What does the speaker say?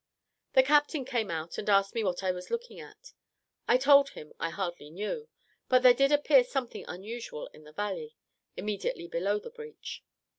The captain came out and asked me what I was looking at. I told him I hardly knew; but there did appear something unusual in the valley, immediately below the breach.